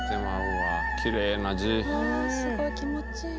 わぁすごい気持ちいい。